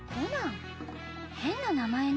変な名前ね。